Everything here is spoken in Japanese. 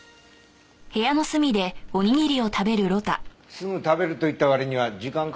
すぐ食べると言ったわりには時間かかってるねえ。